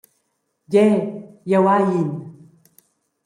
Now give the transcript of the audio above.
Gie, jeu hai in.